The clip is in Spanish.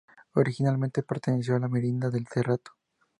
Originalmente perteneció a la Merindad del Cerrato.